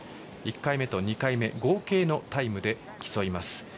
１回目と２回目合計のタイムで競います。